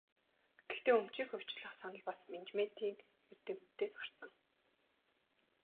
Гэхдээ өмчийг хувьчлах санал бас менежментийн эрдэмтдээс гарсан.